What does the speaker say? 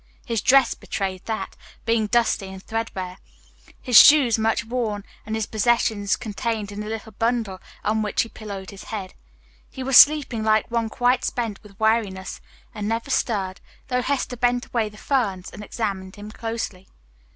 His dress betrayed that, being dusty and threadbare, his shoes much worn, and his possessions contained in the little bundle on which he pillowed his head. He was sleeping like one quite spent with weariness, and never stirred, though Hester bent away the ferns and examined him closely.